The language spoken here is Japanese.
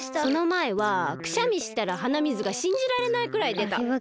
そのまえはくしゃみしたらはな水がしんじられないくらいでた。